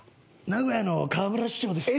名古屋の河村市長です。